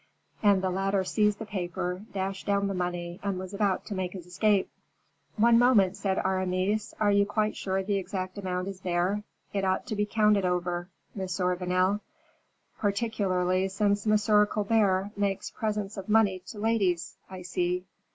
And the latter seized the paper, dashed down the money, and was about to make his escape. "One moment," said Aramis. "Are you quite sure the exact amount is there? It ought to be counted over, Monsieur Vanel; particularly since M. Colbert makes presents of money to ladies, I see.